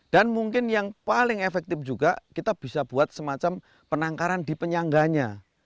mungkin yang paling efektif juga kita bisa buat semacam penangkaran di penyangganya